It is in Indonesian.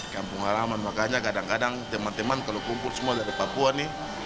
kampung halaman makanya kadang kadang teman teman kalau kumpul semua dari papua nih